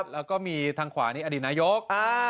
แล้วก็มีทางขวานี่อดีตนายก